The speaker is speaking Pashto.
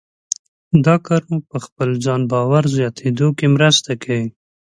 دا کار مو په خپل ځان باور زیاتېدو کې مرسته کوي.